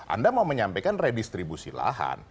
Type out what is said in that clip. anda mau menyampaikan redistribusi lahan